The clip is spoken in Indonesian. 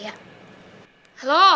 ya papa mau kembali ke rumah